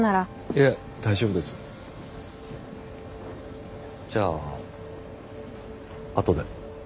いえ大丈夫です。じゃあ後で。